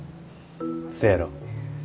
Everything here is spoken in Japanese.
せやろ。